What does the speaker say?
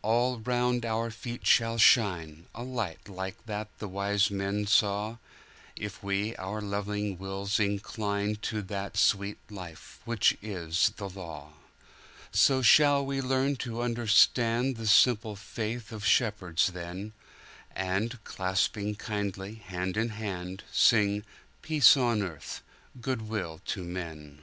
All round about our feet shall shineA light like that the wise men saw, If we our loving wills inclineTo that sweet Life which is the Law.So shall we learn to understandThe simple faith of shepherds then, And, clasping kindly hand in hand, Sing, "Peace on earth, good will to men!"